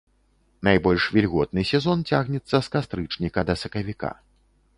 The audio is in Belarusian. Найбольш вільготны сезон цягнецца з кастрычніка да сакавіка.